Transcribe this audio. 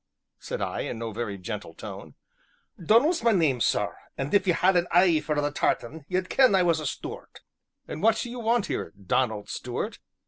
said I, in no very gentle tone. "Donal's my name, sir, an' if ye had an e'e for the tartan, ye'd ken I was a Stuart." "And what do you want here, Donald Stuart?"